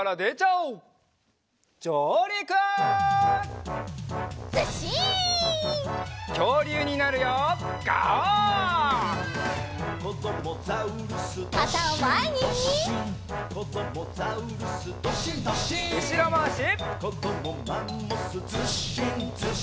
うしろまわし。